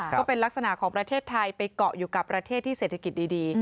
ก็เป็นลักษณะของประเทศไทยไปเกาะอยู่กับประเทศที่เศรษฐกิจดี